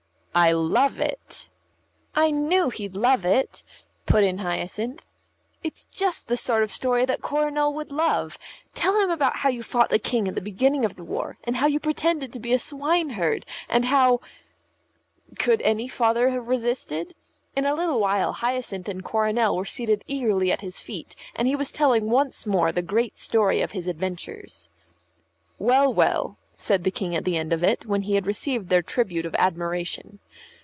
"I love it." "I knew he'd love it," put in Hyacinth. "It's just the sort of story that Coronel would love. Tell him about how you fought the King at the beginning of the war, and how you pretended to be a swineherd, and how " Could any father have resisted? In a little while Hyacinth and Coronel were seated eagerly at his feet, and he was telling once more the great story of his adventures. "Well, well," said the King at the end of it, when he had received their tribute of admiration.